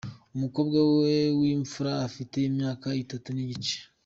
Umukobwa we w’imfura afite imyaka itatu n’igice.